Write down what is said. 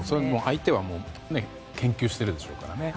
相手は、もう研究しているでしょうからね。